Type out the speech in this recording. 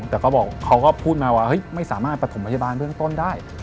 แต่เขาก็พูดมาว่าไม่สามารถปฐมพยาบาลเรื่องต้นได้